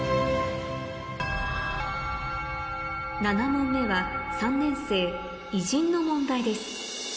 ７問目は３年生偉人の問題です